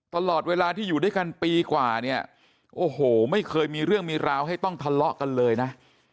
ตลอดเวลาที่อยู่ด้วยกันปีกว่าเนี่ยโอ้โหไม่เคยมีเรื่องมีราวให้ต้องทะเลาะกันเลยนะ